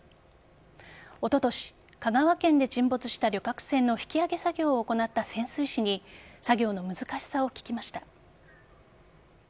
おととし、香川県で沈没した旅客船の引き揚げ作業を行った潜水士に作業の難しさを聞きました。